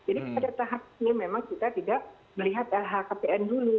jadi pada tahap ini memang kita tidak melihat lhkpn dulu